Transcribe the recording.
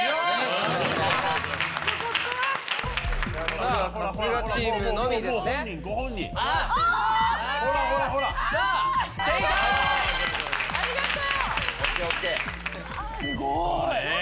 すごい！